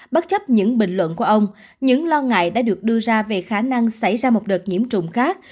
bất chấp những bình luận của ông những lo ngại đã được đưa ra về khả năng xảy ra một đợt nhiễm trùng khác